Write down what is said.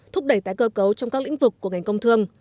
thúc đẩy tái cơ cấu trong các lĩnh vực của ngành công thương